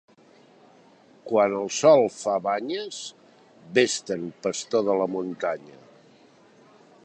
Quan el sol fa banyes, ves-te'n pastor de la muntanya.